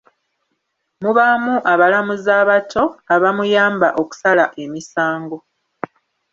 Mubaamu abalamuzi abato, abamuyamba okusala emisango.